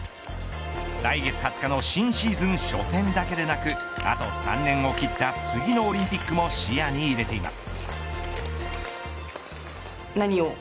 来月２０日の新シーズン初戦だけでなくあと３年を切った次のオリンピックも視野に入れています。